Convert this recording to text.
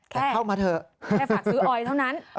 เข้ามาเถอะแค่ฝากซื้อออยเท่านั้น